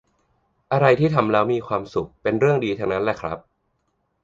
อะไรที่ทำแล้วมีความสุข เป็นเรื่องดีทั้งนั้นแหละครับ